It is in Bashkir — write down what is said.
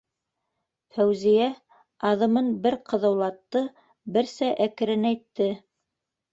Фәүзиә аҙымын бер ҡыҙыулатты, берсә әкренәйтте.